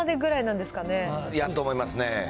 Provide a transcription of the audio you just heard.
だと思いますね。